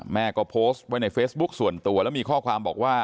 แม่ก็โพสต์ไว้ในเฟซบุ๊คส่วนตัวแล้วมีข้อความบอกว่า